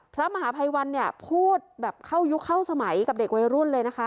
พระมหาภัยวันเนี่ยพูดแบบเข้ายุคเข้าสมัยกับเด็กวัยรุ่นเลยนะคะ